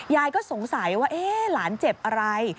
ยายก็สงสัยว่าหลานเจ็บอะไร